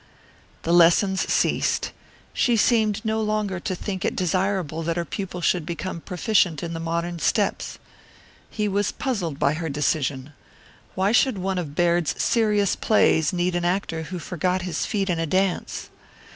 The lessons ceased. She seemed no longer to think it desirable that her pupil should become proficient in the modern steps. He was puzzled by her decision. Why should one of Baird's serious plays need an actor who forgot his feet in a dance?